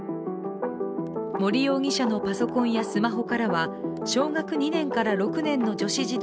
森容疑者のパソコンやスマホからは小学２年から６年の女子児童